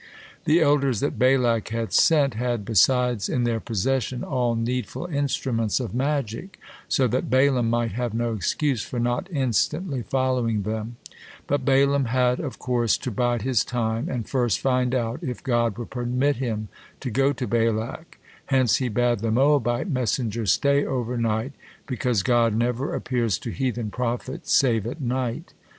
The elders that Balak had sent had besides in their possession all needful instruments of magic, so that Balaam might have no excuse for not instantly following them, but Balaam had, of course, to bide his time and first find out if God would permit him to go to Balak, hence he bade the Moabite messengers stay over night, because God never appears to heathen prophets save at night.